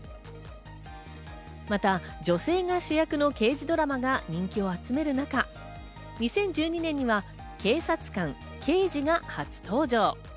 また女性が主役の刑事ドラマが人気を集める中、２０１２年には警察官・刑事が初登場。